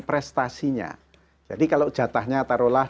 prestasinya jadi kalau jatahnya taruhlah